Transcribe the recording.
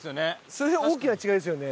それ大きな違いですよね。